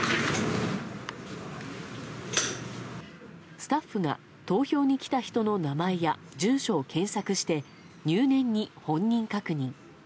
スタッフが投票に来た人の名前や住所を検索して入念に本人確認。